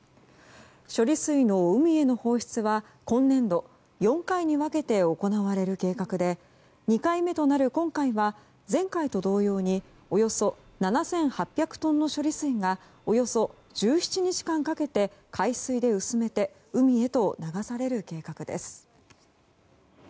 処理水の海への放出は今年度４回に分けて行われる計画で２回目となる今回は前回と同様におよそ７８００トンの処理水がおよそ１７日間かけて海水で薄めて海へと流される計画です。